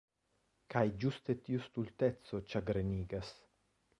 Kaj ĝuste tiu stulteco ĉagrenigas.